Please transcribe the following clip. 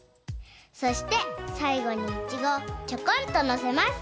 そしてさいごにイチゴをちょこんとのせます。